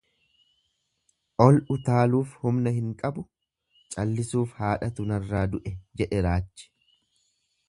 Ol utaaluuf humna hin qabu, callisuuf haadhatu nurraa du'e jedhe raachi.